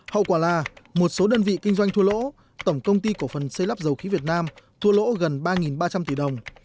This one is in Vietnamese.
hậu quả là một số đơn vị kinh doanh thua lỗ tổng công ty cổ phần xây lắp dầu khí việt nam thua lỗ gần ba ba trăm linh tỷ đồng